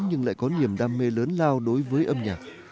nhưng lại có niềm đam mê lớn lao đối với âm nhạc